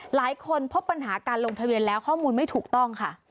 หลายคนพบปัญหาการลงทะเบียนแล้วข้อมูลไม่ถูกต้องค่ะ